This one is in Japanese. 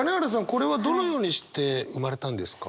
これはどのようにして生まれたんですか？